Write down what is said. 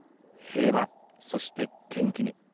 平和、そして元気に。